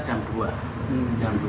jam kira kira jam dua